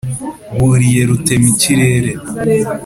buriye rutemikirere